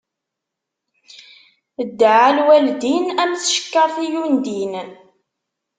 Ddeɛɛa lwaldin, am tceṛket i undin.